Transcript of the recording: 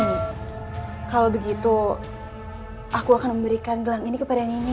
kalau begitu aku akan memberikan gelang ini kepada nenek